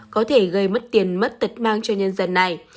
có thể gây mất tiền mất tật mang cho nhân dân này